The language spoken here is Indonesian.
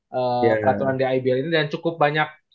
peraturan di ibl ini dan cukup banyak